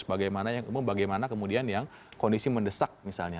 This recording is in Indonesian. bagaimana yang kemudian yang kondisi mendesak misalnya